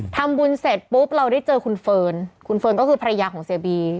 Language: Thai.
ทำบุญเสร็จปุ๊บเราได้เจอคุณเฟิร์นคุณเฟิร์นก็คือภรรยาของเสียบี